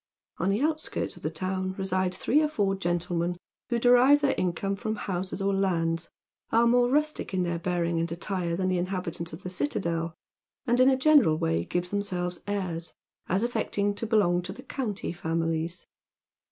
On the outskirts of the town reside three or four gentlemen who derive their income from houses or lands, are more rustic in their bearing and attire than the inhabitants of the citadel, and in a general way give themselves airs, as affecting to belong to the county families.